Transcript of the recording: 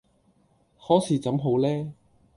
可是怎好呢？